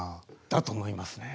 だと思いますね。